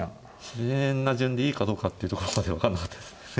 自然な順でいいかどうかっていうところまでは分かんなかったです。